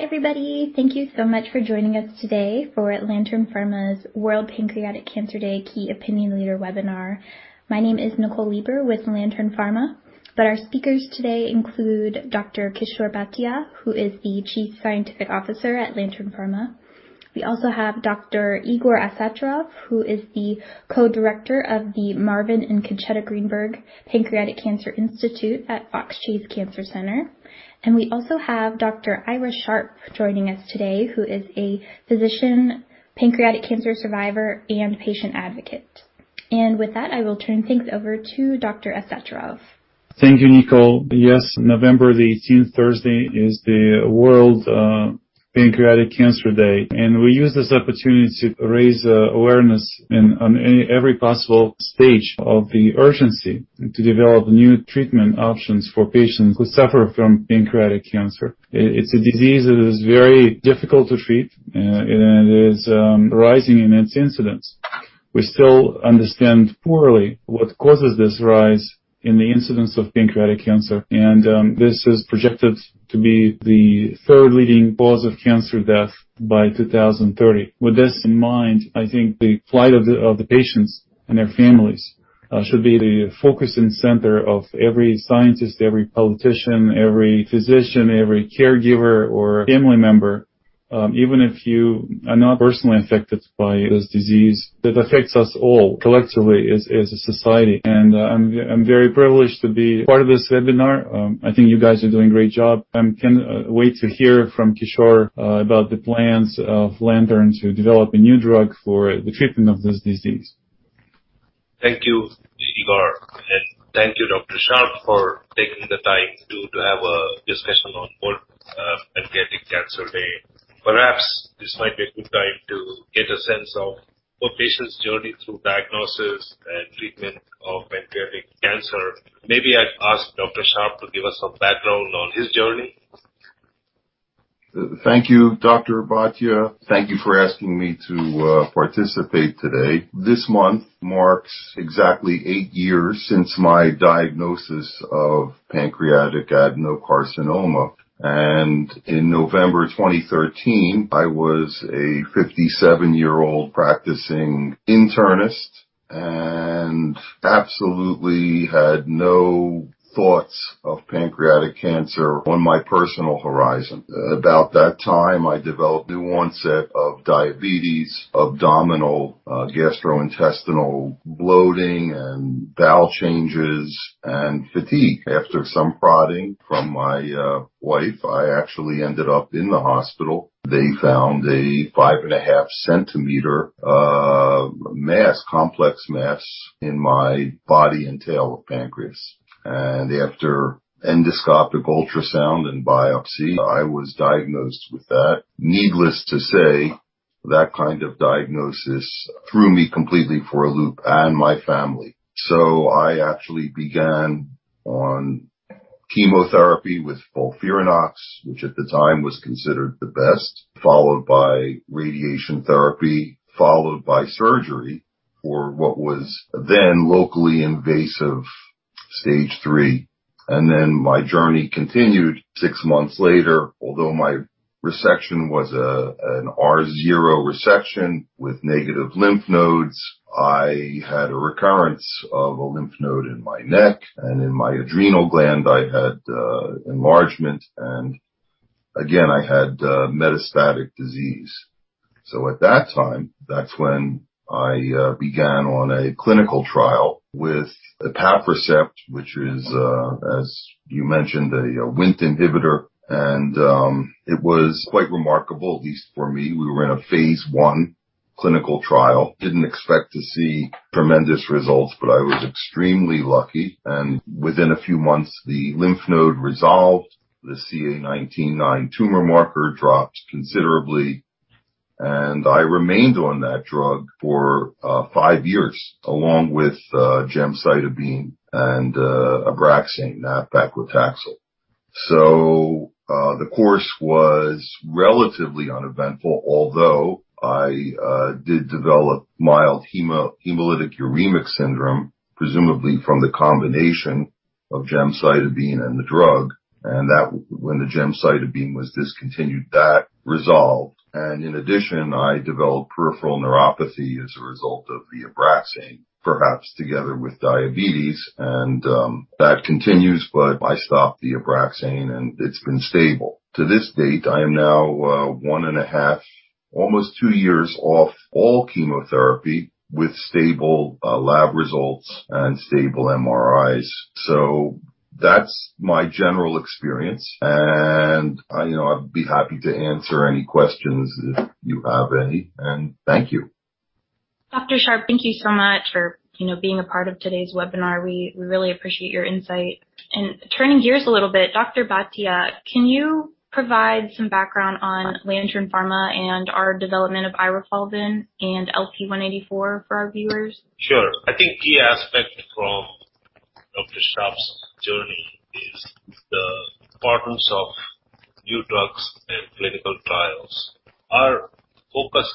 Hi, everybody. Thank you so much for joining us today for Lantern Pharma's World Pancreatic Cancer Day Key Opinion Leader Webinar. My name is Nicole Leber with Lantern Pharma, but our speakers today include Dr. Kishor Bhatia, who is the Chief Scientific Officer at Lantern Pharma. We also have Dr. Igor Astsaturov, who is the Co-director of the Marvin and Concetta Greenberg Pancreatic Cancer Institute at Fox Chase Cancer Center. We also have Dr. Ira Sharp joining us today, who is a physician, pancreatic cancer survivor, and patient advocate. With that, I will turn things over to Dr. Astsaturov. Thank you, Nicole. Yes, November the 18th, Thursday, is the World Pancreatic Cancer Day, and we use this opportunity to raise awareness on every possible stage of the urgency to develop new treatment options for patients who suffer from pancreatic cancer. It's a disease that is very difficult to treat, and it is rising in its incidence. We still understand poorly what causes this rise in the incidence of pancreatic cancer, and this is projected to be the third leading cause of cancer death by 2030. With this in mind, I think the plight of the patients and their families should be the focus and center of every scientist, every politician, every physician, every caregiver or family member, even if you are not personally affected by this disease that affects us all collectively as a society. I'm very privileged to be part of this webinar. I think you guys are doing a great job. I can't wait to hear from Kishor about the plans of Lantern to develop a new drug for the treatment of this disease. Thank you, Igor, and thank you, Dr. Sharp, for taking the time to have a discussion on World Pancreatic Cancer Day. Perhaps this might be a good time to get a sense of a patient's journey through diagnosis and treatment of pancreatic cancer. Maybe I'd ask Dr. Sharp to give us some background on his journey. Thank you, Dr. Bhatia. Thank you for asking me to participate today. This month marks exactly 8 years since my diagnosis of pancreatic adenocarcinoma, and in November 2013, I was a 57-year-old practicing internist and absolutely had no thoughts of pancreatic cancer on my personal horizon. About that time, I developed new onset of diabetes, abdominal gastrointestinal bloating and bowel changes and fatigue. After some prodding from my wife, I actually ended up in the hospital. They found a 5.5-centimeter complex mass in my body and tail of pancreas. After endoscopic ultrasound and biopsy, I was diagnosed with that. Needless to say, that kind of diagnosis threw me completely for a loop and my family. I actually began on chemotherapy with FOLFIRINOX, which at the time was considered the best, followed by radiation therapy, followed by surgery for what was then locally invasive stage three. My journey continued six months later, although my resection was an R0 resection with negative lymph nodes, I had a recurrence of a lymph node in my neck and in my adrenal gland, I had enlargement and again, I had metastatic disease. At that time, that's when I began on a clinical trial with ipafricept, which is, as you mentioned, a Wnt inhibitor and it was quite remarkable, at least for me. We were in a phase I clinical trial. Didn't expect to see tremendous results, but I was extremely lucky and within a few months the lymph node resolved, the CA 19-9 tumor marker drops considerably, and I remained on that drug for five years along with gemcitabine and Abraxane, paclitaxel. The course was relatively uneventful, although I did develop mild hemolytic uremic syndrome, presumably from the combination of gemcitabine and the drug, and that when the gemcitabine was discontinued, that resolved. In addition, I developed peripheral neuropathy as a result of the Abraxane, perhaps together with diabetes and that continues, but I stopped the Abraxane and it's been stable. To this date, I am now one and a half, almost two years off all chemotherapy with stable lab results and stable MRIs. That's my general experience and, you know, I'd be happy to answer any questions if you have any and thank you. Dr. Sharp, thank you so much for, you know, being a part of today's webinar. We really appreciate your insight. Turning gears a little bit, Dr. Bhatia, can you provide some background on Lantern Pharma and our development of irofulven and LP-184 for our viewers? Sure. I think key aspect from Dr. Sharp's journey is the importance of new drugs and clinical trials. Our focus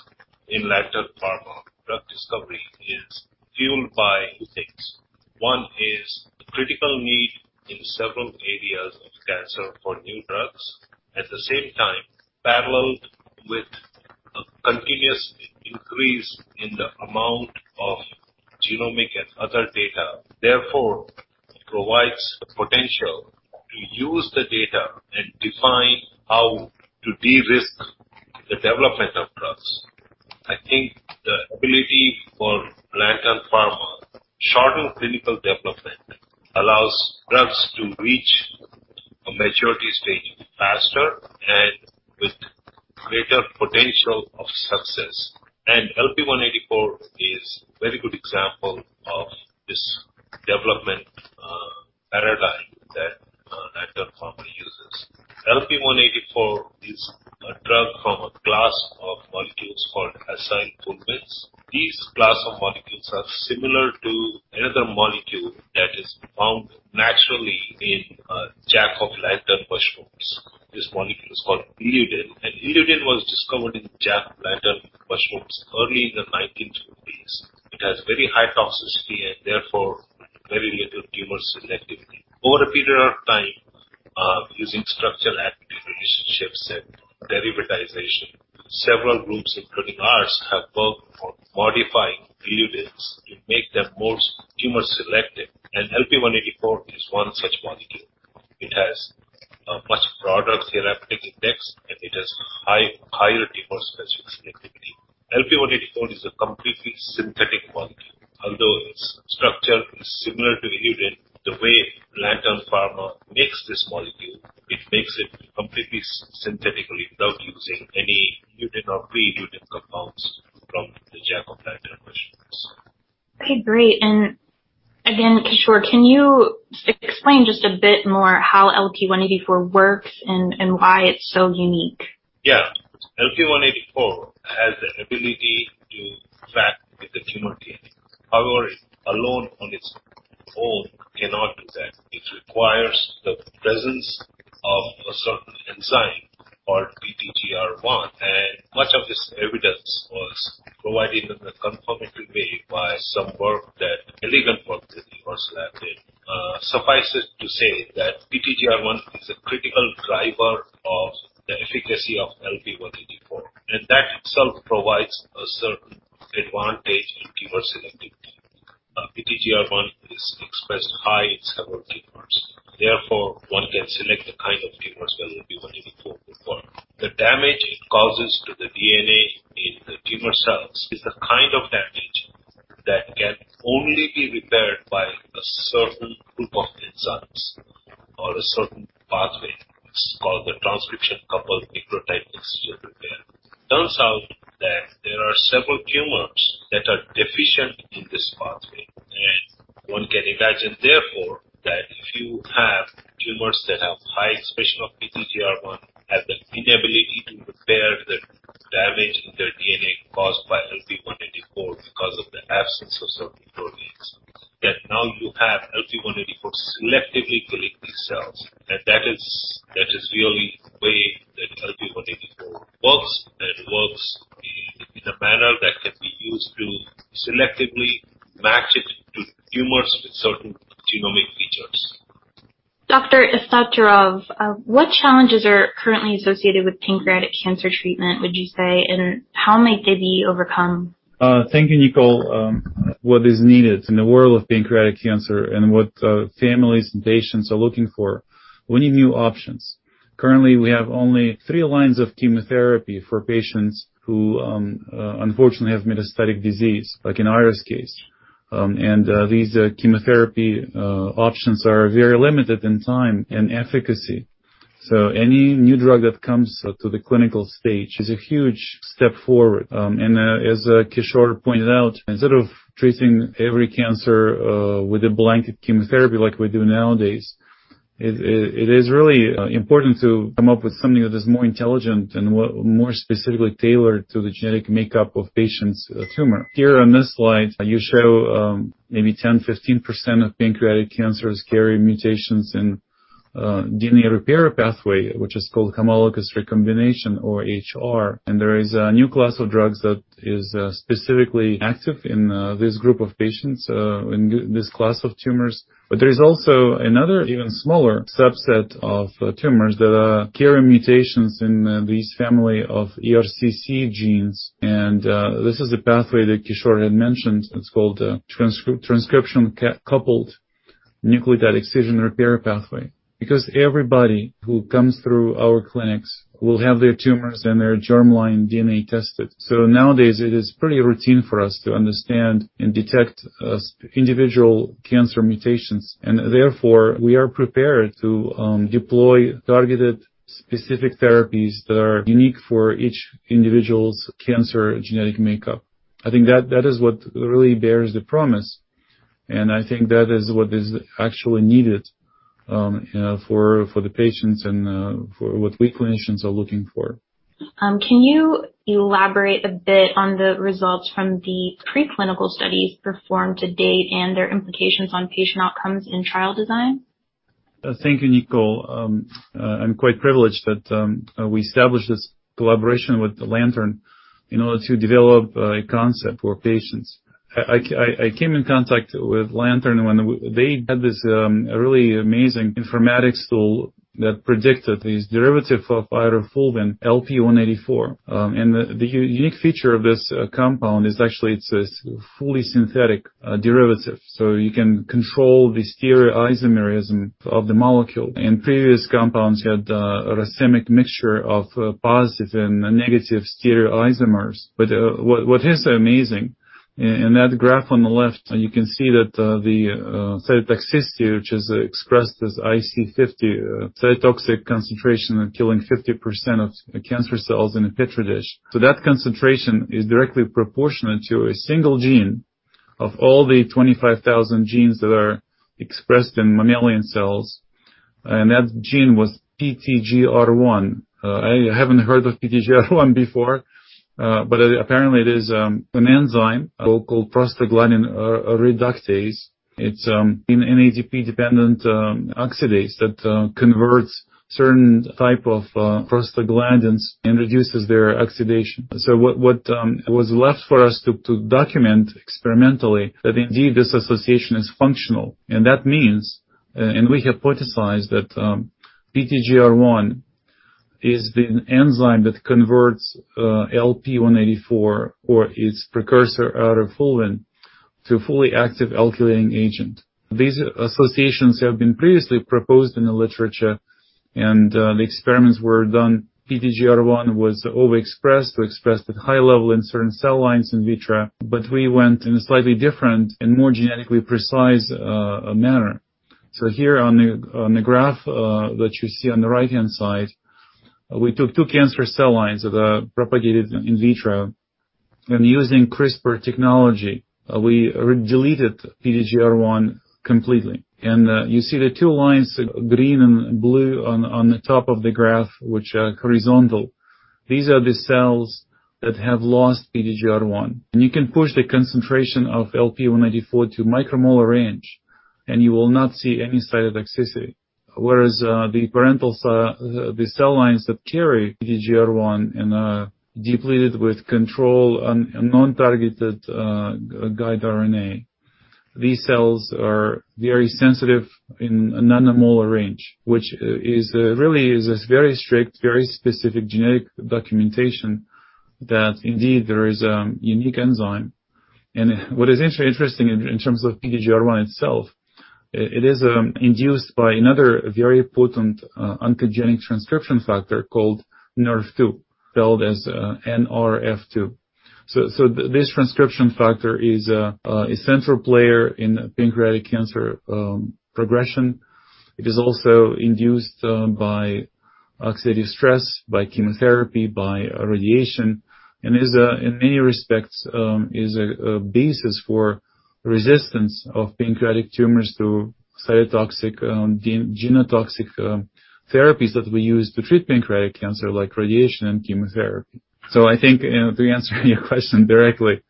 in Lantern Pharma drug discovery is fueled by two things. One is the critical need in several areas of cancer for new drugs. At the same time, paralleled with a continuous increase in the amount of genomic and other data. Therefore, it provides the potential to use the data and define how to de-risk the development of drugs. I think the ability for Lantern Pharma to shorten clinical development allows drugs to reach a maturity stage faster and with greater potential of success. LP-184 is a very good example of this development paradigm that Lantern Pharma uses. LP-184 is a drug from a class of molecules called acylfulvenes. These class of molecules are similar to another molecule that is found naturally in Jack-o'-lantern mushrooms. This molecule is called Illudin, and Illudin was discovered in Jack-o'-lantern mushrooms early in the 1920s. It has very high toxicity and therefore very little tumor selectivity. Over a period of time, using structure-activity relationships and derivatization, several groups, including ours, have worked for modifying Illudins to make them more tumor selective, and LP-184 is one such molecule. It has a much broader therapeutic index, and it has high, higher tumor specificity. LP-184 is a completely synthetic molecule. Although its structure is similar to Illudin, the way Lantern Pharma makes this molecule, it makes it completely synthetically without using any Illudin or pre-Illudin compounds from the jack-o'-lantern mushrooms. Okay, great. Again, Kishore, can you explain just a bit more how LP-184 works and why it's so unique? Yeah. LP-184 has the ability to track the tumor alone on this. It requires the presence of the sort of enzyme, or PTGR1, and much of this evidence was provided with the company by a support that any construct for suffices to say that PTGR1 is critical driver of the efficacyof LP-184. That itself provides a sort advantage in terms of efficacy. PTGR1 is expressed high in cell tumors, therefore one can select the higher tumor in LP-184. The damage it causes to the DNA in the tumor cells is the kind of damage that can only be repaired by a certain group of enzymes or certain pathway, or the damage repair mechanism. It turns out that there are several tumors that are deficient in this pathway, and one can imagine therefore that few have tumors that are high in special frequency of one that have the inability to repair the damage to their DNA caused by LP-184 because of the absence of the protein. And now you have LP-184 selectively killing cells and that is really a place that LP-184 works, and works in a manner that we used in selectively to tumors with certain genomic features. Dr. Astsaturov. What challenges are currently associated with pancreatic cancer treatment, would you say, and how might they be overcome? Thank you, Nicole. What is needed in the world of pancreatic cancer and what families and patients are looking for, we need new options. Currently, we have only three lines of chemotherapy for patients who unfortunately have metastatic disease, like in Ira's case. These chemotherapy options are very limited in time and efficacy. Any new drug that comes to the clinical stage is a huge step forward. As Kishor pointed out, instead of treating every cancer with a blanket chemotherapy like we do nowadays, it is really important to come up with something that is more intelligent and more specifically tailored to the genetic makeup of patients' tumor. Here on this slide you show maybe 10%-15% of pancreatic cancers carry mutations in DNA repair pathway, which is called homologous recombination or HR. There is a new class of drugs that is specifically active in this group of patients, in this class of tumors. There is also another even smaller subset of tumors that are carrying mutations in these family of ERCC genes, and this is a pathway that Kishor had mentioned. It's called transcription-coupled nucleotide excision repair pathway. Because everybody who comes through our clinics will have their tumors and their germline DNA tested. Nowadays it is pretty routine for us to understand and detect individual cancer mutations, and therefore we are prepared to deploy targeted specific therapies that are unique for each individual's cancer genetic makeup. I think that is what really bears the promise, and I think that is what is actually needed for the patients and for what we clinicians are looking for. Can you elaborate a bit on the results from the preclinical studies performed to date and their implications on patient outcomes and trial design? Thank you, Nicole. I'm quite privileged that we established this collaboration with the Lantern in order to develop a concept for patients. I came in contact with Lantern when they had this really amazing informatics tool that predicted this derivative of irinotecan, LP-184. The unique feature of this compound is actually it's a fully synthetic derivative, so you can control the stereoisomerism of the molecule. Previous compounds had a racemic mixture of positive and negative stereoisomers. What is amazing in that graph on the left, you can see that the cytotoxicity, which is expressed as IC50, cytotoxic concentration of killing 50% of cancer cells in a Petri dish. That concentration is directly proportional to a single gene of all the 25,000 genes that are expressed in mammalian cells, and that gene was PTGR1. I haven't heard of PTGR1 before, but apparently it is an enzyme called prostaglandin reductase. It's an NADP-dependent reductase that converts certain type of prostaglandins and reduces their oxidation. What was left for us to document experimentally that indeed this association is functional. That means we hypothesized that PTGR1 is the enzyme that converts LP-184 or its precursor irofulven to a fully active alkylating agent. These associations have been previously proposed in the literature, and the experiments were done. PTGR1 was overexpressed or expressed at high level in certain cell lines in vitro, but we went in a slightly different and more genetically precise manner. Here on the graph that you see on the right-hand side, we took two cancer cell lines that are propagated in vitro, and using CRISPR technology, we deleted PTGR1 completely. You see the two lines, green and blue on the top of the graph, which are horizontal. These are the cells that have lost PTGR1. You can push the concentration of LP-184 to micromolar range, and you will not see any cytotoxicity. Whereas the parental cell lines that carry PTGR1 and are depleted with control and non-targeted guide RNA. These cells are very sensitive in a nanomolar range, which is really this very strict, very specific genetic documentation that indeed there is a unique enzyme. What is also interesting in terms of PTGR1 itself, it is induced by another very potent oncogenic transcription factor called NRF2, spelled as N-R-F-two. This transcription factor is a central player in pancreatic cancer progression. It is also induced by oxidative stress, by chemotherapy, by radiation, and in many respects a basis for resistance of pancreatic tumors to cytotoxic genotoxic therapies that we use to treat pancreatic cancer like radiation and chemotherapy. I think to answer your question directly,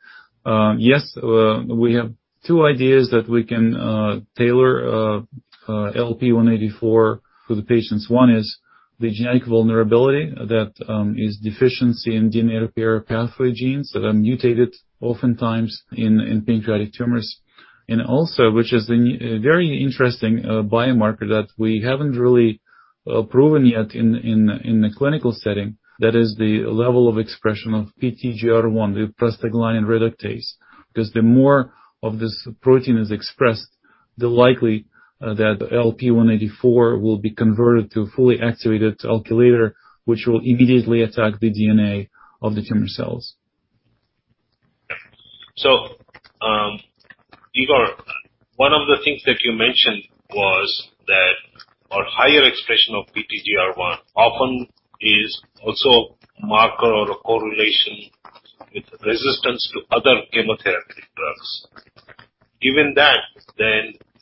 yes, we have two ideas that we can tailor LP-184 for the patients. One is the genetic vulnerability that is deficiency in DNA repair pathway genes that are mutated oftentimes in pancreatic tumors. Also, which is a very interesting biomarker that we haven't really proven yet in the clinical setting, that is the level of expression of PTGR1, the prostaglandin reductase. 'Cause the more of this protein is expressed, the likely that LP-184 will be converted to fully activated alkylator, which will immediately attack the DNA of the tumor cells. Igor, one of the things that you mentioned was that a higher expression of PTGR1 often is also marker or a correlation with resistance to other chemotherapy drugs. Given that,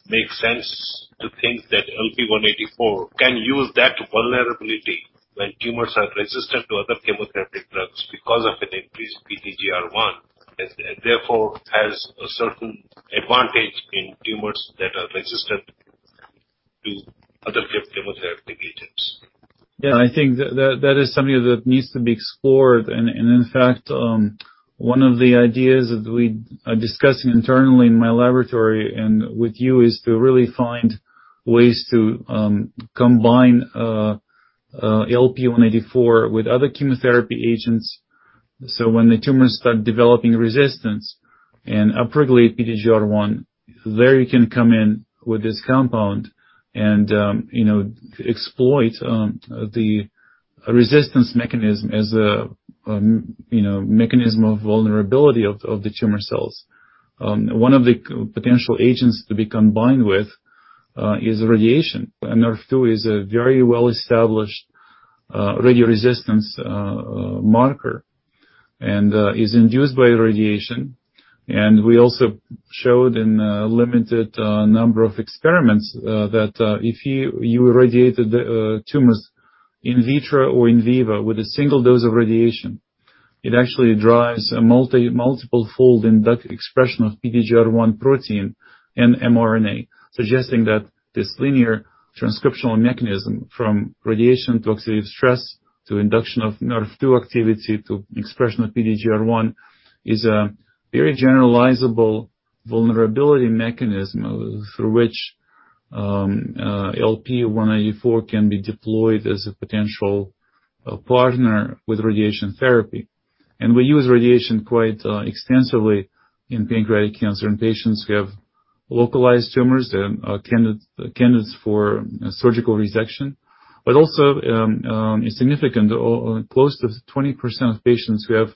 it makes sense to think that LP-184 can use that vulnerability when tumors are resistant to other chemotherapy drugs because of an increased PTGR1, therefore, has a certain advantage in tumors that are resistant to other chemotherapeutic agents. Yeah, I think that is something that needs to be explored. In fact, one of the ideas that we are discussing internally in my laboratory and with you is to really find ways to combine LP-184 with other chemotherapy agents. When the tumors start developing resistance and up-regulate PTGR1, there you can come in with this compound and you know, exploit the resistance mechanism as a you know mechanism of vulnerability of the tumor cells. One of the potential agents to be combined with is radiation. NRF2 is a very well-established radio resistance marker and is induced by radiation. We also showed in a limited number of experiments that if you irradiated the tumors in vitro or in vivo with a single dose of radiation. It actually drives a multiple fold in that expression of PTGR1 protein and mRNA, suggesting that this linear transcriptional mechanism from radiation to oxidative stress to induction of NRF2 activity to expression of PTGR1 is a very generalizable vulnerability mechanism through which LP-184 can be deployed as a potential partner with radiation therapy. We use radiation quite extensively in pancreatic cancer in patients who have localized tumors, candidates for surgical resection, but also a significant or close to 20% of patients who have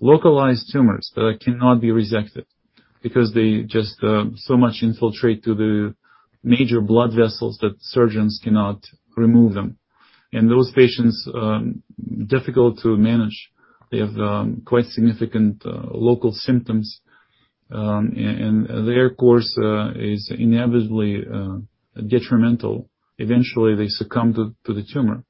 localized tumors that cannot be resected because they just so much infiltrate to the major blood vessels that surgeons cannot remove them. Those patients are difficult to manage. They have quite significant local symptoms, and their course is inevitably detrimental. Eventually, they succumb to the tumor.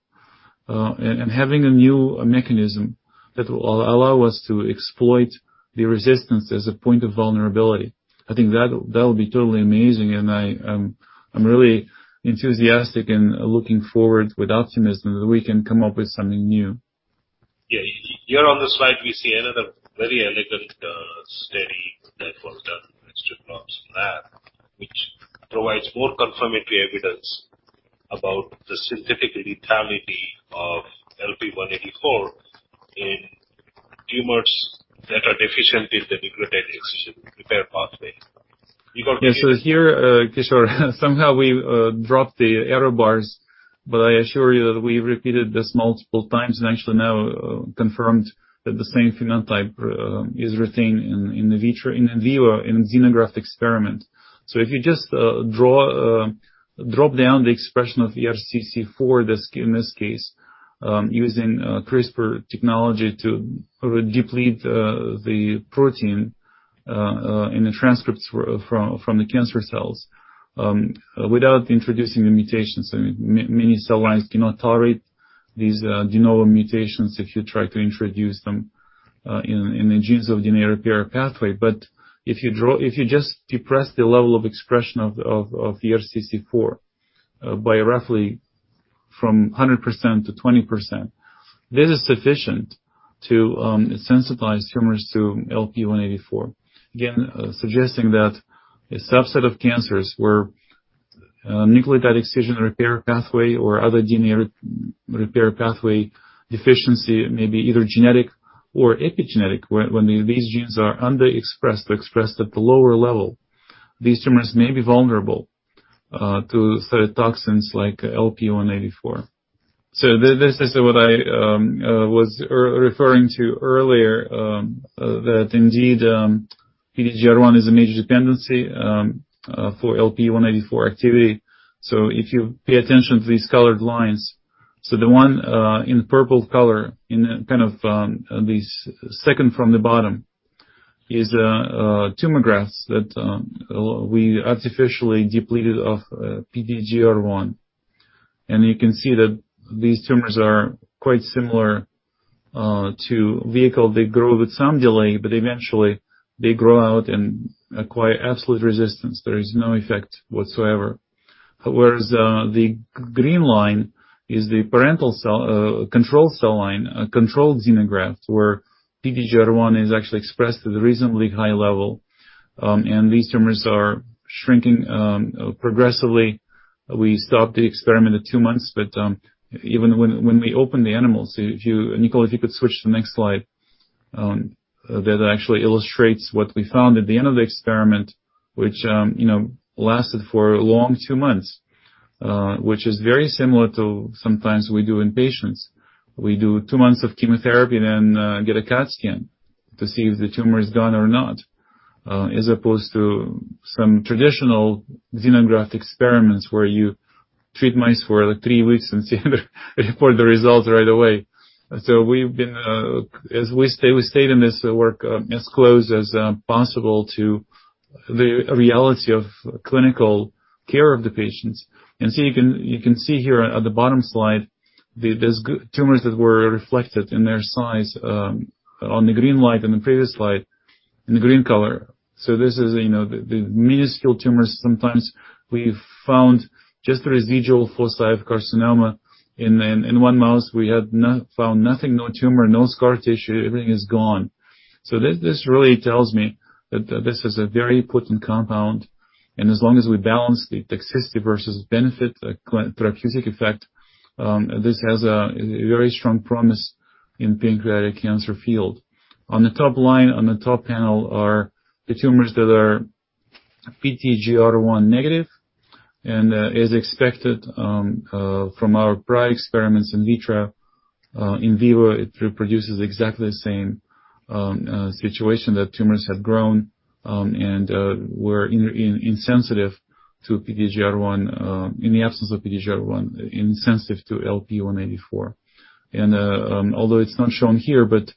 Having a new mechanism that will allow us to exploit the resistance as a point of vulnerability, I think that will be totally amazing. I'm really enthusiastic and looking forward with optimism that we can come up with something new. Yeah. Here on the slide, we see another very elegant study that was done in Astsaturov's lab, which provides more confirmatory evidence about the synthetic lethality of LP-184 in tumors that are deficient in the nucleotide excision repair pathway. Yeah. Here, Kishor, somehow we dropped the error bars, but I assure you that we repeated this multiple times and actually now confirmed that the same phenotype is retained in vitro in vivo in xenograft experiment. If you just drop down the expression of ERCC4, in this case using CRISPR technology to deplete the protein in the cancer cells without introducing the mutations. Many cell lines do not tolerate these de novo mutations if you try to introduce them in the genes of DNA repair pathway. If you just depress the level of expression of ERCC4 by roughly from 100% to 20%, this is sufficient to sensitize tumors to LP-184. Again, suggesting that a subset of cancers where nucleotide excision repair pathway or other DNA repair pathway deficiency may be either genetic or epigenetic. When these genes are underexpressed or expressed at the lower level, these tumors may be vulnerable to certain toxins like LP-184. This is what I was referring to earlier, that indeed PTGR1 is a major dependency for LP-184 activity. If you pay attention to these colored lines. The one in purple color in a kind of this second from the bottom is tumor grafts that we artificially depleted of PTGR1. You can see that these tumors are quite similar to vehicle. They grow with some delay, but eventually they grow out and acquire absolute resistance. There is no effect whatsoever. The green line is the parental cell control cell line, control xenograft, where PTGR1 is actually expressed at a reasonably high level. These tumors are shrinking progressively. We stopped the experiment at two months, but even when we open the animals, Nicole, if you could switch to the next slide, that actually illustrates what we found at the end of the experiment, which you know, lasted for a long two months, which is very similar to sometimes we do in patients. We do two months of chemotherapy and then get a CT scan to see if the tumor is gone or not, as opposed to some traditional xenograft experiments where you treat mice for, like, three weeks and see and report the results right away. We've been as close as possible to the reality of clinical care of the patients. You can see here at the bottom slide, these tumors that were reflected in their size on the green line in the previous slide, in the green color. This is, you know, the minuscule tumors. Sometimes we've found just a residual foci of carcinoma. In one mouse, we had not found nothing, no tumor, no scar tissue, everything is gone. This really tells me that this is a very potent compound. And as long as we balance the toxicity versus benefit, the therapeutic effect, this has a very strong promise in pancreatic cancer field. On the top line, on the top panel are the tumors that are PTGR1 negative, and as expected, from our prior experiments in vitro, in vivo, it reproduces exactly the same situation that tumors had grown, and were insensitive to PTGR1, in the absence of PTGR1, insensitive to LP-184. Although it's not shown here, but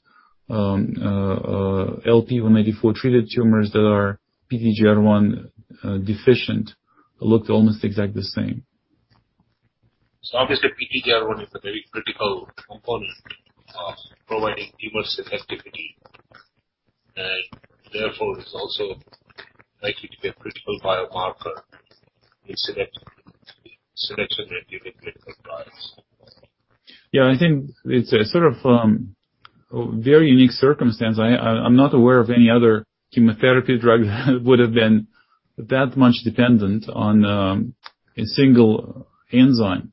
LP-184-treated tumors that are PTGR1 deficient looked almost exactly the same. Obviously PTGR1 is a very critical component of providing tumor selectivity, and therefore is also likely to be a critical biomarker in selection of clinical trials. Yeah, I think it's a sort of very unique circumstance. I'm not aware of any other chemotherapy drug would have been that much dependent on a single enzyme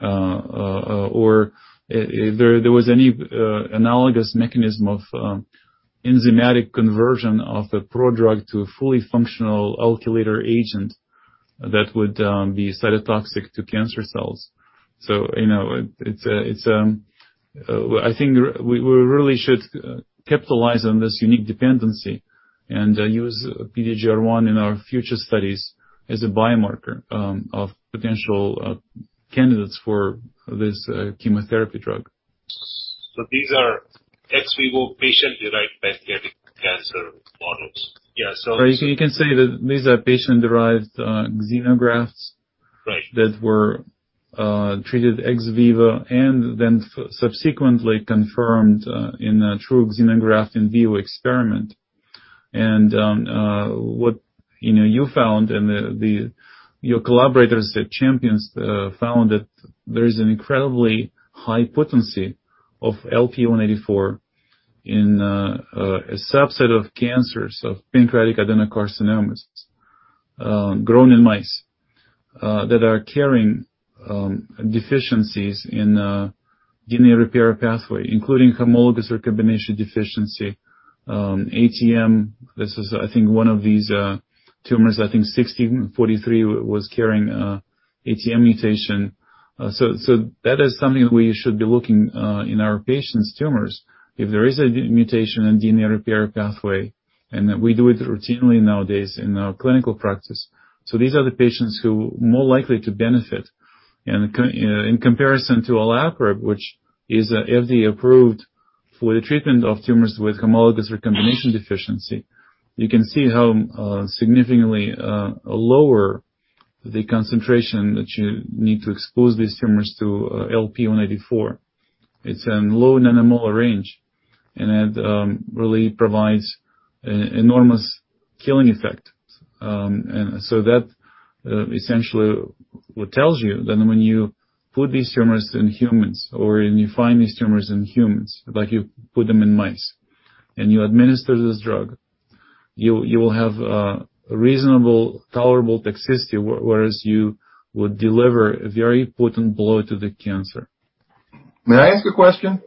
or if there was any analogous mechanism of enzymatic conversion of a prodrug to a fully functional alkylator agent that would be cytotoxic to cancer cells. You know, it's really should capitalize on this unique dependency and use PTGR1 in our future studies as a biomarker of potential candidates for this chemotherapy drug. These are ex vivo patient-derived pancreatic cancer models. Yeah, You can say that these are patient-derived xenografts- Right. That were treated ex vivo and then subsequently confirmed in a true xenograft in vivo experiment. What, you know, you found and your collaborators at Champions Oncology found that there is an incredibly high potency of LP-184 in a subset of cancers, of pancreatic adenocarcinomas grown in mice that are carrying deficiencies in DNA repair pathway, including homologous recombination deficiency, ATM. This is I think one of these tumors. I think 643 was carrying a ATM mutation. That is something we should be looking in our patients' tumors. If there is a mutation in DNA repair pathway, and we do it routinely nowadays in our clinical practice. These are the patients who are more likely to benefit. In comparison to olaparib, which is FDA-approved for the treatment of tumors with homologous recombination deficiency. You can see how significantly lower the concentration that you need to expose these tumors to LP-184. It's low nanometer range, and it really provides an enormous killing effect. That essentially tells you that when you put these tumors in humans or when you find these tumors in humans, like you put them in mice, and you administer this drug, you will have reasonable tolerable toxicity, whereas you would deliver a very potent blow to the cancer. May I ask a question?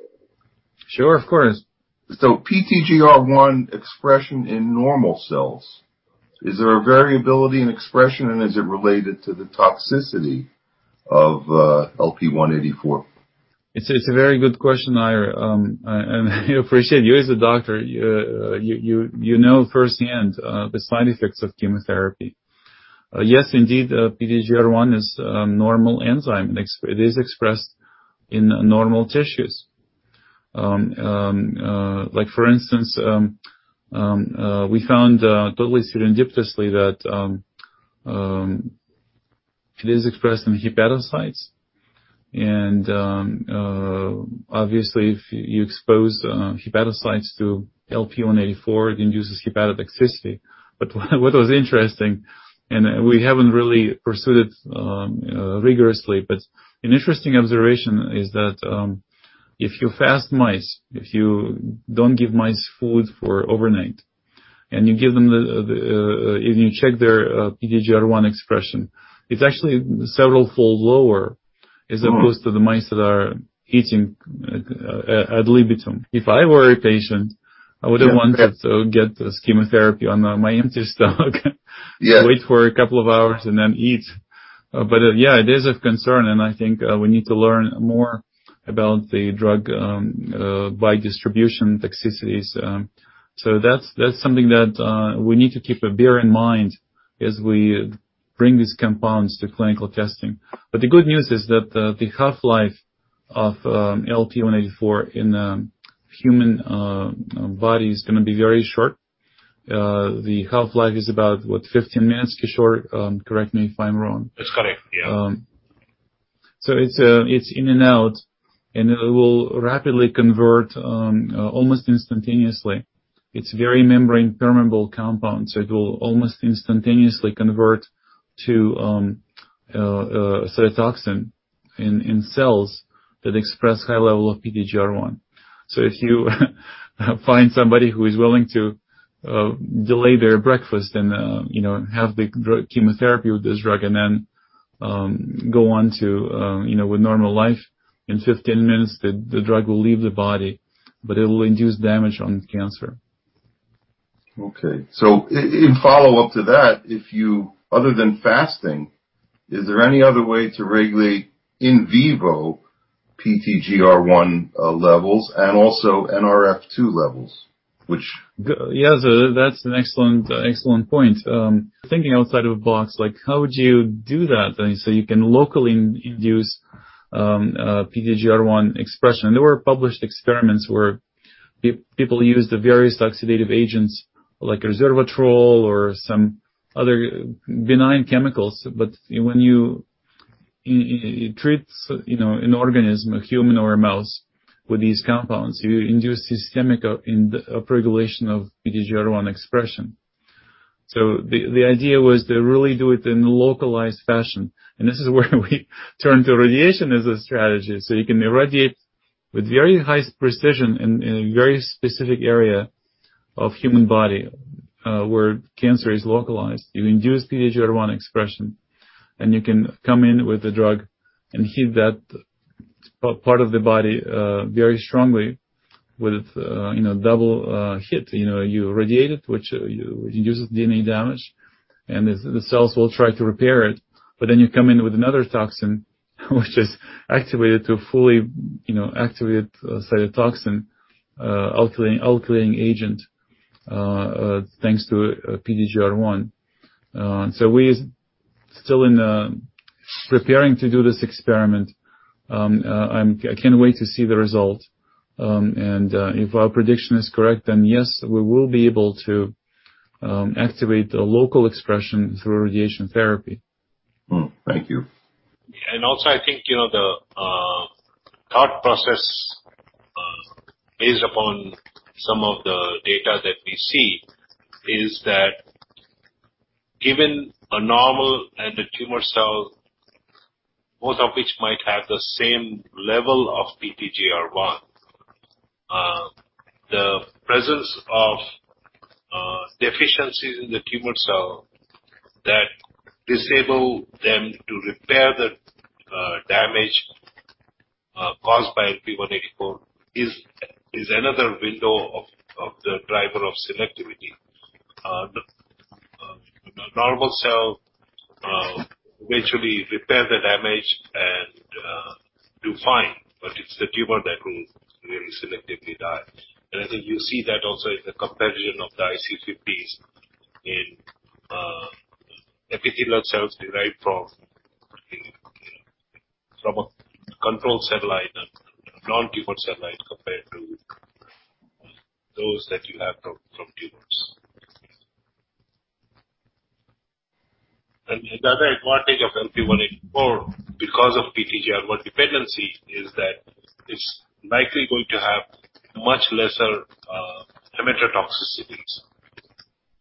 Sure. Of course. PTGR1 expression in normal cells, is there a variability in expression, and is it related to the toxicity of LP-184? It's a very good question, Ira. I appreciate you as a doctor, you know firsthand the side effects of chemotherapy. Yes, indeed, PTGR1 is expressed in normal tissues. Like for instance, we found totally serendipitously that it is expressed in hepatocytes. Obviously, if you expose hepatocytes to LP-184, it induces hepatic toxicity. What was interesting, and we haven't really pursued it rigorously, but an interesting observation is that if you fast mice, if you don't give mice food for overnight, if you check their PTGR1 expression, it's actually several-fold lower as opposed to the mice that are eating ad libitum. If I were a patient, I would have wanted to get this chemotherapy on my empty stomach. Yeah. Wait for a couple of hours and then eat. Yeah, it is a concern, and I think we need to learn more about the drug biodistribution toxicities. That's something that we need to keep bear in mind as we bring these compounds to clinical testing. The good news is that the half-life of LP-184 in human body is gonna be very short. The half-life is about 15 minutes for sure. Correct me if I'm wrong. That's correct. Yeah. It's in and out, and it will rapidly convert almost instantaneously. It's very membrane permeable compound, so it will almost instantaneously convert to a cytotoxin in cells that express high level of PTGR1. If you find somebody who is willing to delay their breakfast and you know, have the drug, chemotherapy with this drug and then go on to you know, with normal life, in 15 minutes, the drug will leave the body, but it will induce damage on the cancer. In follow-up to that, other than fasting, is there any other way to regulate in vivo PTGR1 levels and also NRF2 levels, which Yeah. That's an excellent point. Thinking outside of a box, like how would you do that then so you can locally induce PTGR1 expression? There were published experiments where people used various oxidative agents like resveratrol or some other benign chemicals, but when you treat, you know, an organism, a human or a mouse with these compounds, you induce systemic up-regulation of PTGR1 expression. The idea was to really do it in a localized fashion, and this is where we turned to radiation as a strategy. You can irradiate with very high precision in a very specific area of the human body where cancer is localized. You induce PTGR1 expression, and you can come in with the drug and hit that part of the body very strongly with, you know, double hit. You know, you irradiate it, which uses DNA damage, and the cells will try to repair it, but then you come in with another toxin, which is activated to fully, you know, activate a cytotoxin, alkylating agent, thanks to PTGR1. We still in the preparing to do this experiment. I can't wait to see the result. If our prediction is correct, then yes, we will be able to activate the local expression through radiation therapy. Thank you. Also I think, you know, the thought process based upon some of the data that we see is that given a normal and a tumor cell, both of which might have the same level of PTGR1, the presence of deficiencies in the tumor cell that disable them to repair the damage caused by LP-184 is another window of the driver of selectivity. The normal cell virtually repair the damage and do fine, but it's the tumor that will really selectively die. I think you see that also in the comparison of the IC50s in epithelial cells derived from, you know, from a controlled cell line and non-tumor cell lines compared to those that you have from tumors. The other advantage of LP-184 because of PTGR1 dependency is that it's likely going to have much lesser hematotoxicity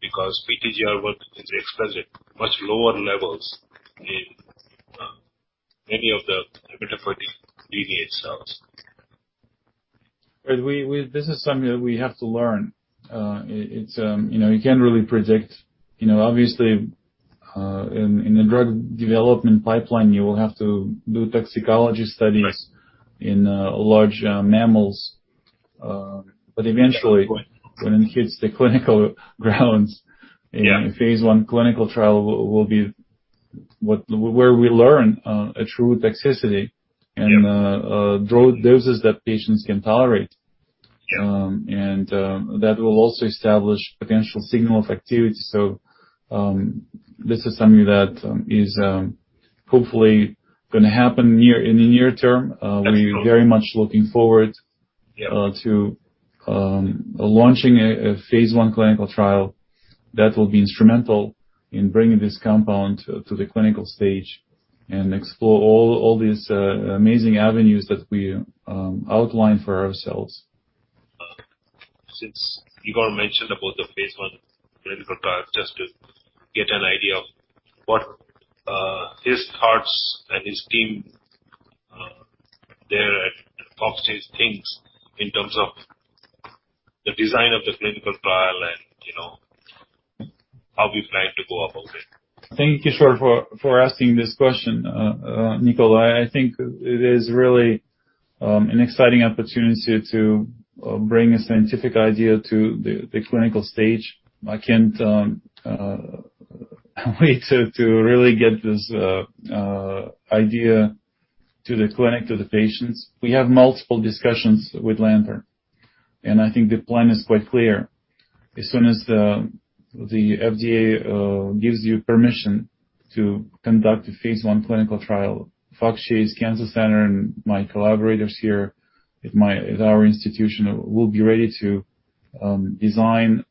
because PTGR1 is expressed at much lower levels in many of the hematopoietic cells. This is something that we have to learn. It's, you know, you can't really predict. You know, obviously, in a drug development pipeline, you will have to do toxicology studies in large mammals. Eventually- Good point. Good point. ...when it hits the clinical grounds. Yeah. ...in phase I clinical trial will be what, where we learn a true toxicity and drug doses that patients can tolerate. Yeah. That will also establish potential signal of activity. This is something that is hopefully gonna happen in the near term. Absolutely. We're very much looking forward to launching a phase I clinical trial that will be instrumental in bringing this compound to the clinical stage and explore all these amazing avenues that we outline for ourselves. Since Igor mentioned about the phase I clinical trial, just to get an idea of what, his thoughts and his team, there at Fox Chase thinks in terms of the design of the clinical trial and, you know, how we plan to go about it. Thank you, sure, for asking this question. Nicole, I think it is really an exciting opportunity to bring a scientific idea to the clinical stage. I can't wait to really get this idea to the clinic, to the patients. We have multiple discussions with Lantern, and I think the plan is quite clear. As soon as the FDA gives you permission to conduct a phase I clinical trial, Fox Chase Cancer Center and my collaborators here at our institution will be ready to design,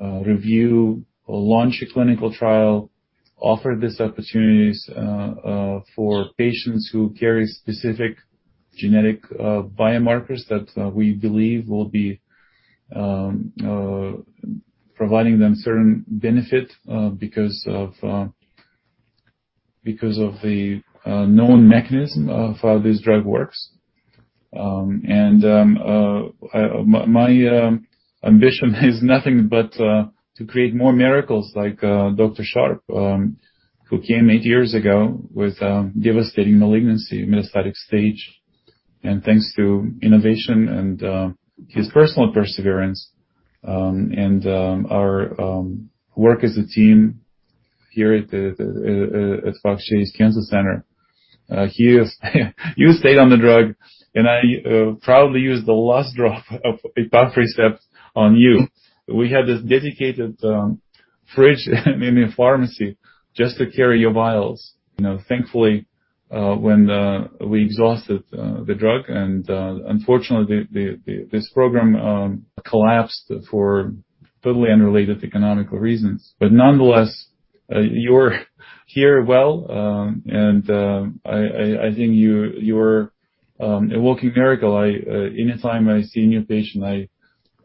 review or launch a clinical trial, offer these opportunities for patients who carry specific genetic biomarkers that we believe will be providing them certain benefit because of the known mechanism of how this drug works. My ambition is nothing but to create more miracles like Dr. Sharp who came eight years ago with a devastating malignancy, metastatic stage. Thanks to innovation and his personal perseverance and our work as a team here at Fox Chase Cancer Center, he is. You stayed on the drug, and I proudly used the last drop of ipafricept on you. We had this dedicated fridge in the pharmacy just to carry your vials. You know, thankfully, when we exhausted the drug and unfortunately this program collapsed for totally unrelated economic reasons. Nonetheless, you're here, well, and I think you're a walking miracle. I anytime I see a new patient, I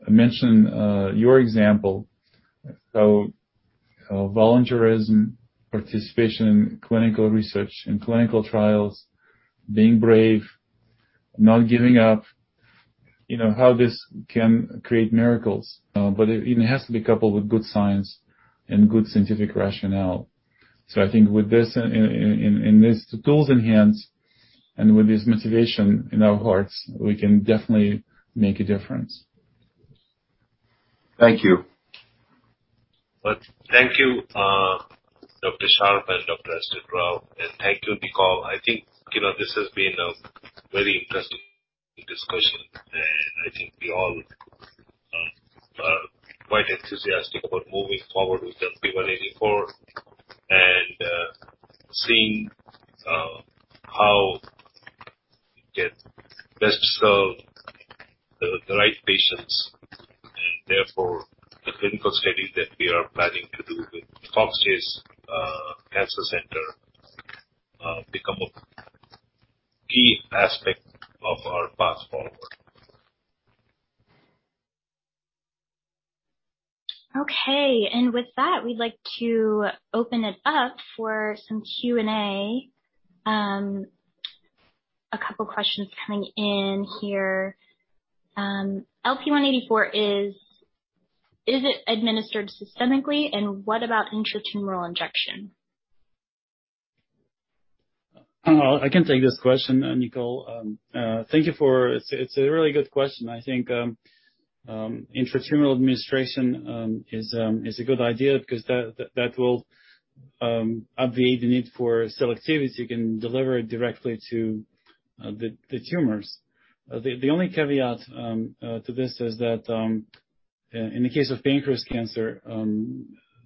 mention your example of volunteerism, participation in clinical research and clinical trials, being brave, not giving up, you know, how this can create miracles. It has to be coupled with good science and good scientific rationale. I think with this in this, the tools in hand, and with this motivation in our hearts, we can definitely make a difference. Thank you. Thank you, Dr. Sharp and Dr. Astsaturov. Thank you, Nicole. I think, you know, this has been a very interesting discussion. I think we all are quite enthusiastic about moving forward with LP-184 and seeing how we can best serve the right patients, and therefore the clinical study that we are planning to do with Fox Chase Cancer Center become a key aspect of our path forward. Okay. With that, we'd like to open it up for some Q&A. A couple questions coming in here. LP-184, is it administered systemically? And what about intratumoral injection? I can take this question, Nicole. Thank you for the question. It's a really good question. I think intratumoral administration is a good idea because that will obviate the need for selectivity. You can deliver it directly to the tumors. The only caveat to this is that in the case of pancreatic cancer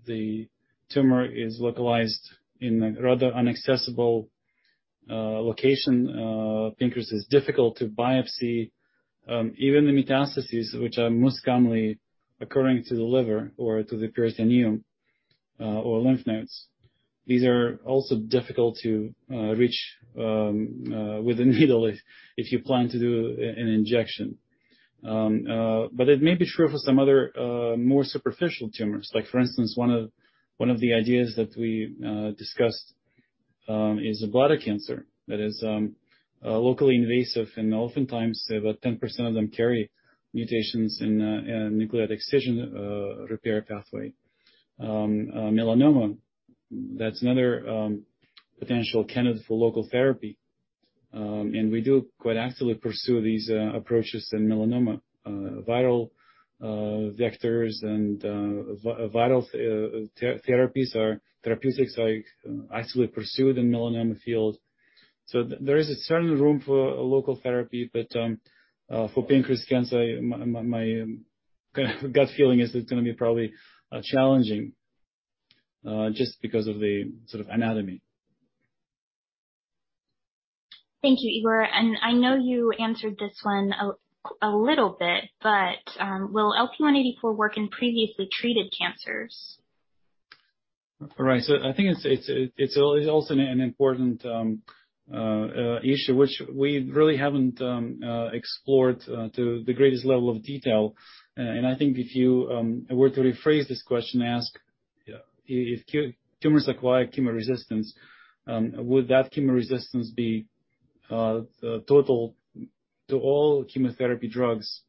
the tumor is localized in a rather inaccessible location. The pancreas is difficult to biopsy. Even the metastases, which are most commonly occurring to the liver or to the peritoneum or lymph nodes, these are also difficult to reach with a needle if you plan to do intratumoral injection. It may be true for some other more superficial tumors. Like for instance, one of the ideas that we discussed is bladder cancer that is locally invasive and oftentimes about 10% of them carry mutations in nucleotide excision repair pathway. Melanoma, that's another potential candidate for local therapy. We do quite actively pursue these approaches in melanoma. Viral vectors and viral therapies are therapeutics I actively pursue in the melanoma field. There is a certain room for a local therapy, but for pancreas cancer my kind of gut feeling is it's gonna be probably challenging just because of the sort of anatomy. Thank you, Igor. I know you answered this one a little bit, but will LP-184 work in previously treated cancers? I think it's also an important issue which we really haven't explored to the greatest level of detail. I think if you were to rephrase this question, ask if tumors acquire chemoresistance, would that chemoresistance be total to all chemotherapy drugs?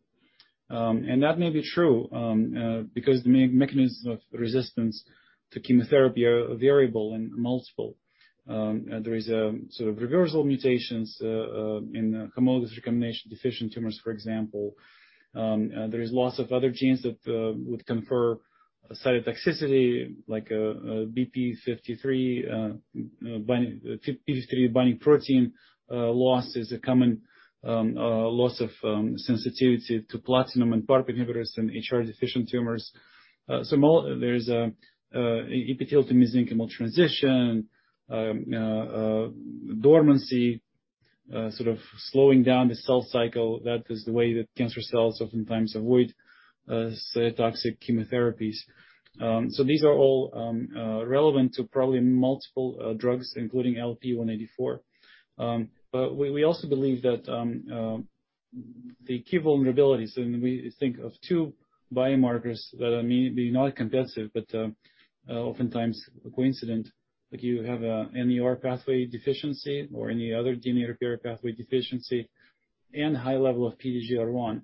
That may be true because the mechanism of resistance to chemotherapy are variable and multiple. There is a sort of reversion mutations in homologous recombination deficient tumors, for example. There is lots of other genes that would confer cytotoxicity, like 53BP1, p53 binding protein loss is a common loss of sensitivity to platinum and PARP inhibitors in HR deficient tumors. There's epithelial to mesenchymal transition, dormancy, sort of slowing down the cell cycle. That is the way that cancer cells oftentimes avoid cytotoxic chemotherapies. These are all relevant to probably multiple drugs including LP-184. But we also believe that the key vulnerabilities, and we think of two biomarkers that may not be competitive, but oftentimes coincident. Like you have a NER pathway deficiency or any other DNA repair pathway deficiency and high level of PTGR1.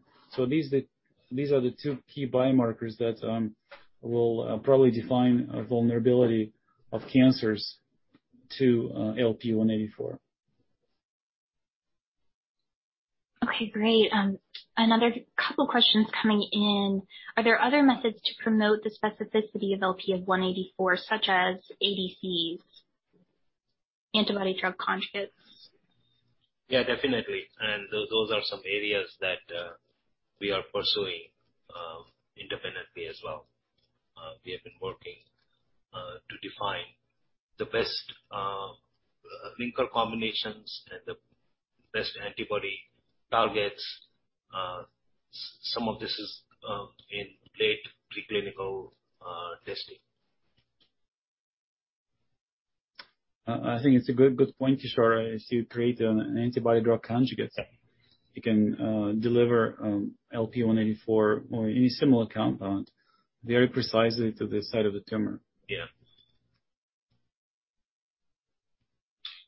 These are the two key biomarkers that will probably define a vulnerability of cancers to LP-184. Okay, great. Another couple questions coming in. Are there other methods to promote the specificity of LP-184, such as ADCs, antibody-drug conjugates? Yeah, definitely. Those are some areas that we are pursuing independently as well. We have been working to define the best linker combinations and the best antibody targets. Some of this is in late preclinical testing. I think it's a good point, Kishor. As you create an antibody-drug conjugate, you can deliver LP-184 or any similar compound very precisely to the site of the tumor. Yeah.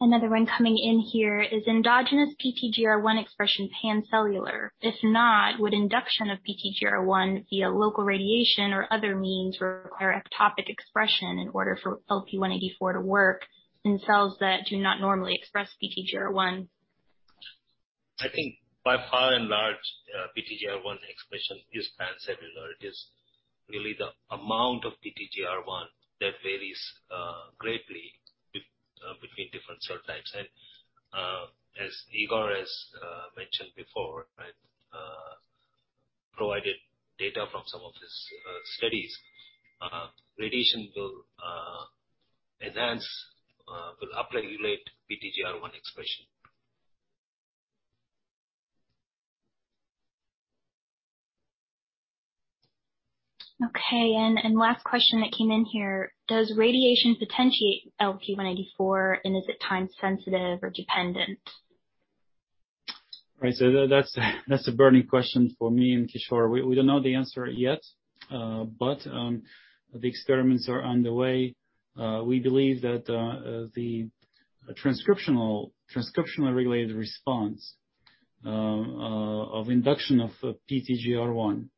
Another one coming in here. Is endogenous PTGR1 expression pan-cellular? If not, would induction of PTGR1 via local radiation or other means require ectopic expression in order for LP-184 to work in cells that do not normally express PTGR1? I think by and large, PTGR1 expression is pan-cellular. It is really the amount of PTGR1 that varies greatly between different cell types. As Igor has mentioned before, right, provided data from some of his studies. Radiation will upregulate PTGR1 expression. Okay. Last question that came in here. Does radiation potentiate LP-184, and is it time sensitive or dependent? That's a burning question for me and Kishor. We don't know the answer yet, but the experiments are underway. We believe that the transcriptionally related response of induction of PTGR1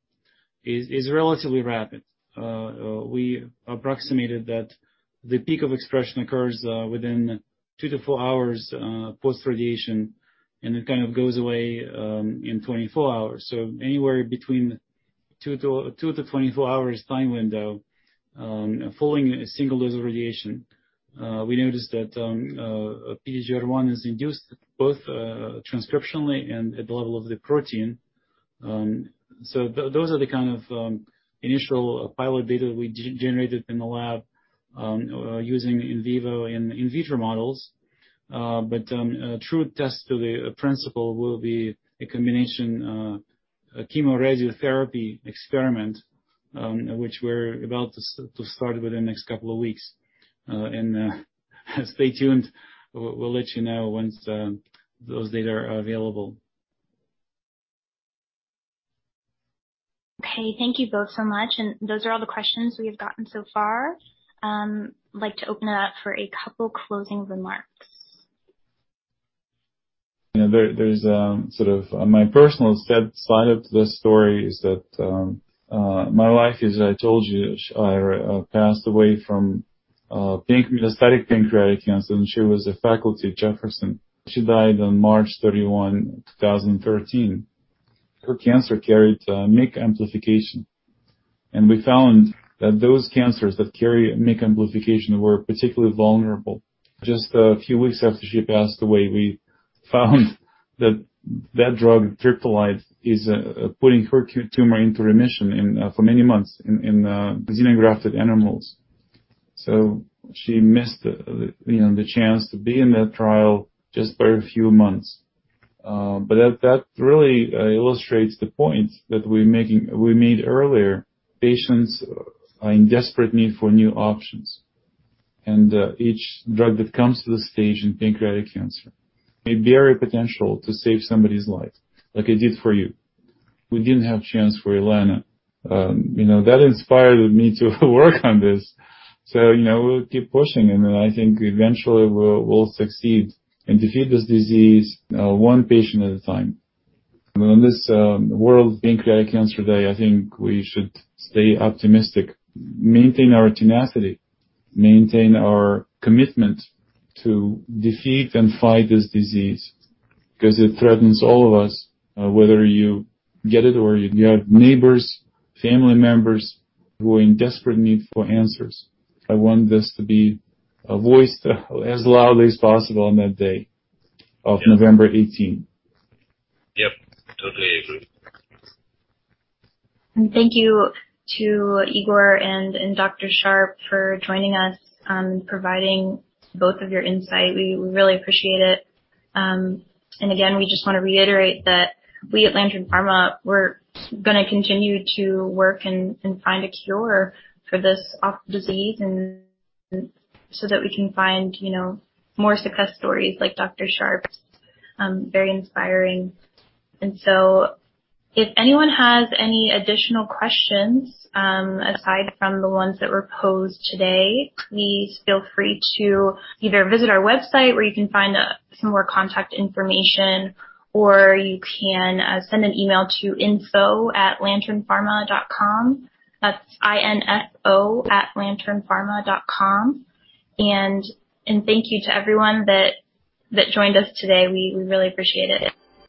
is relatively rapid. We approximated that the peak of expression occurs within 2-4 hours post radiation, and it kind of goes away in 24 hours. Anywhere between 2-24 hours time window following a single dose of radiation, we noticed that PTGR1 is induced both transcriptionally and at the level of the protein. Those are the kind of initial pilot data we generated in the lab using in vivo and in vitro models. A true test to the principle will be a combination chemo-radiotherapy experiment, which we're about to start within the next couple of weeks. Stay tuned. We'll let you know once those data are available. Okay. Thank you both so much. Those are all the questions we have gotten so far. I'd like to open it up for a couple closing remarks. Sort of my personal sad side of the story is that my wife, as I told you, passed away from metastatic pancreatic cancer, and she was a faculty at Jefferson. She died on March 31, 2013. Her cancer carried MYC amplification. We found that those cancers that carry MYC amplification were particularly vulnerable. Just a few weeks after she passed away, we found that that drug, Triptolide, is putting her tumor into remission for many months in xenografted animals. So she missed, you know, the chance to be in that trial just by a few months. But that really illustrates the point that we made earlier. Patients are in desperate need for new options. Each drug that comes to the stage in pancreatic cancer may bear a potential to save somebody's life, like it did for you. We didn't have chance for Elena. You know, that inspired me to work on this. You know, we'll keep pushing, and I think eventually we'll succeed and defeat this disease, one patient at a time. On this World Pancreatic Cancer Day, I think we should stay optimistic, maintain our tenacity, maintain our commitment to defeat and fight this disease, 'cause it threatens all of us, whether you get it or you have neighbors, family members who are in desperate need for answers. I want this to be a voice as loudly as possible on that day of November 18th. Yep. Totally agree. Thank you to Igor and Dr. Sharp for joining us, providing both of your insight. We really appreciate it. We just wanna reiterate that we at Lantern Pharma, we're gonna continue to work and find a cure for this awful disease and so that we can find, you know, more success stories like Dr. Sharp's. Very inspiring. If anyone has any additional questions, aside from the ones that were posed today, please feel free to either visit our website, where you can find some more contact information, or you can send an email to ir@lanternpharma.com. That's I-R@lanternpharma.com. Thank you to everyone that joined us today. We really appreciate it.